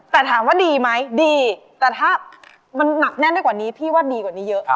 แต่ถามว่าดีไหมดีแต่ถ้ามันหนักแน่นได้กว่านี้พี่ว่าดีกว่านี้เยอะ